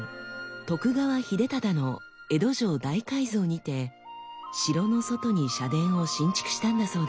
徳川秀忠の江戸城大改造にて城の外に社殿を新築したんだそうです。